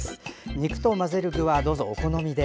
肉に混ぜる具はどうぞお好みで。